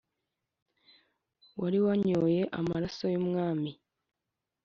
wari wanyoye amaraso y' umwami